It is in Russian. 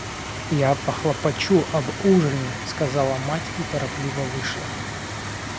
— Я похлопочу об ужине, — сказала мать и торопливо вышла.